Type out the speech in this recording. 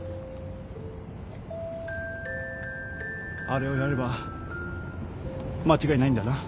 あれをやれば間違いないんだな？